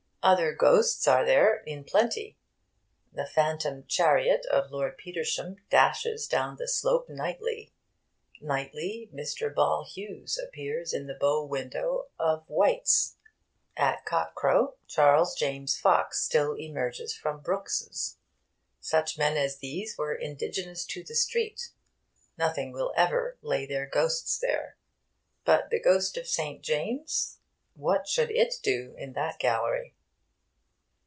Other ghosts are there in plenty. The phantom chariot of Lord Petersham dashes down the slope nightly. Nightly Mr. Ball Hughes appears in the bow window of White's. At cock crow Charles James Fox still emerges from Brooks's. Such men as these were indigenous to the street. Nothing will ever lay their ghosts there. But the ghost of St. James what should it do in that galley?...